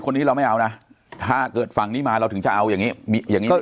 เราไม่เอานะถ้าเกิดฝั่งนี้มาเราถึงจะเอาอย่างงี้อย่างงี้